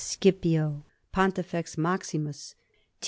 Scipio, 3 pontifex maximus, Ti.